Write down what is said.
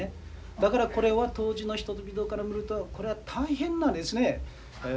だからこれは当時の人々から見るとこれは大変なですね存在であると。